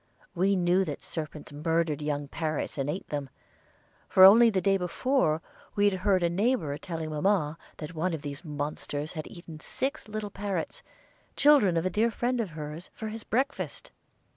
We knew that serpents murdered young parrots and ate them, for only the day before we had heard a neighbor telling mamma that one of these monsters had eaten six little parrots, children of a dear friend of hers, for his breakfast.